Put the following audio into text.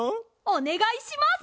おねがいします！